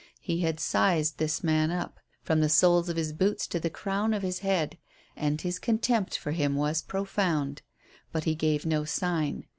He had "sized" this man up, from the soles of his boots to the crown of his head, and his contempt for him was profound. But he gave no sign.